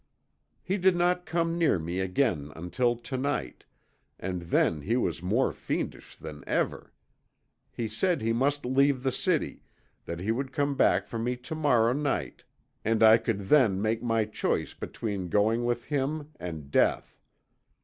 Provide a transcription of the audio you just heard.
"He did not come near me again until to night, and then he was more fiendish than ever. He said he must leave the city, that he would come for me to morrow night, and I could then make my choice between going with him and death.